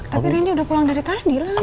tapi reddy udah pulang dari tadi lah